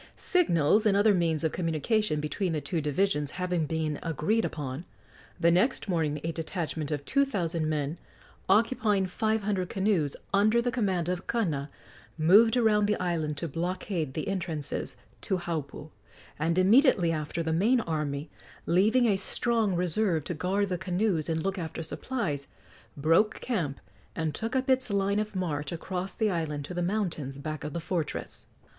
Signals and other means of communication between the two divisions having been agreed upon, the next morning a detachment of two thousand men, occupying five hundred canoes, under the command of Kana, moved around the island to blockade the entrances to Haupu, and immediately after the main army, leaving a strong reserve to guard the canoes and look after supplies, broke camp and took up its line of march across the island to the mountains back of the fortress.